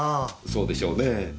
そうでしょうねぇ。